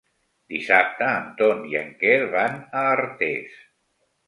Dissabte en Ton i en Quer van a Artés.